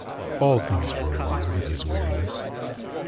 All things were one with his weariness.